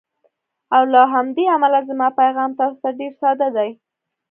او له همدې امله زما پیغام تاسو ته ډېر ساده دی: